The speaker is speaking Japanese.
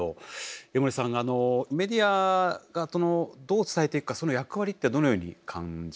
江守さんメディアがどう伝えていくかその役割ってどのように感じてらっしゃいますか？